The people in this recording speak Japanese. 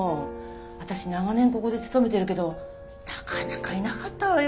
私長年ここで勤めてるけどなかなかいなかったわよ